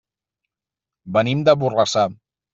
Venim de Borrassà.